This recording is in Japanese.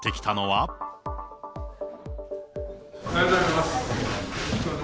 おはようございます。